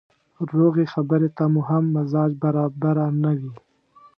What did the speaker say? روغې خبرې ته مو هم مزاج برابره نه وي.